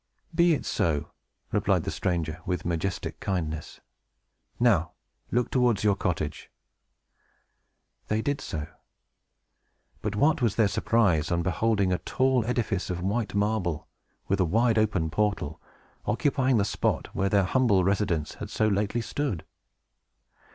"Be it so!" replied the stranger, with majestic kindness. "Now, look towards your cottage!" They did so. But what was their surprise on beholding a tall edifice of white marble, with a wide open portal, occupying the spot where their humble residence had so lately stood!